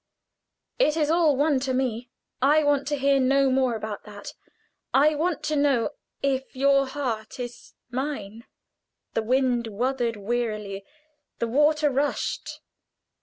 "It is all one to me. I want to hear no more about that. I want to know if your heart is mine." The wind wuthered wearily; the water rushed.